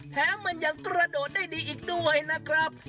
แถมมันยังกระโดดได้ดีอีกด้วยนะครับ